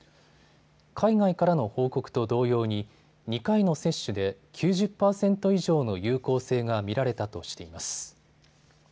海外からの報告と同様に２回の接種で９０％以上の有効性が見られたとしています。